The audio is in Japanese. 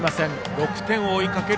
６点を追いかける